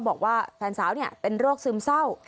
บอกว่าแฟนสาวเป็นโรคซึมเศร้า